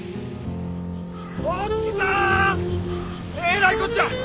えらいこっちゃ！